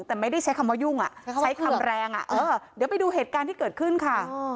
แต่ไม่ได้ใช้คำว่ายุ่งใช้คำแรงเดี๋ยวไปดูเหตุการณ์ที่เกิดขึ้นค่ะ